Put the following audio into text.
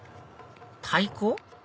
太鼓？